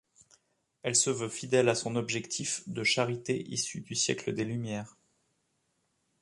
Elle se veut fidèle à son objectif de charité issu du siècle des Lumières.